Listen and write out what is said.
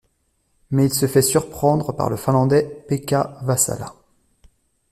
Mais il se fait surprendre par le Finlandais Pekka Vasala.